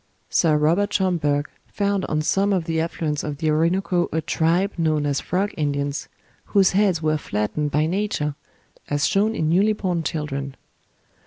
Sir Robert Schomburgh found on some of the affluents of the Orinoco a tribe known as Frog Indians, whose heads were flattened by Nature, as shown in newly born children.